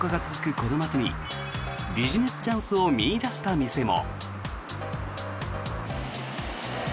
この町にビジネスチャンスを見いだした店も。